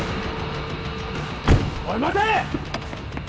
おい待て！